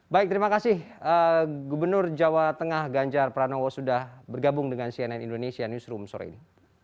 baik terima kasih gubernur jawa tengah ganjar pranowo sudah bergabung dengan cnn indonesia newsroom sore ini